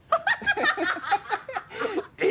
ハハハハハ！